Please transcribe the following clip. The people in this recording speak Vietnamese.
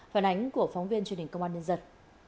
phản ánh của phóng viên truyền hình công an nhân dân